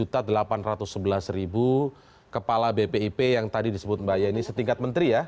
dan kemudian kepala bpip yang tadi disebut mbak yeni setingkat menteri ya